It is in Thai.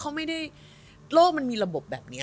ก็ไม่ต้องมีเราก็ได้